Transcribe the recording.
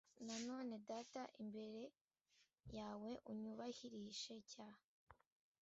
Na none Data imbere yawe unyubahirishe cya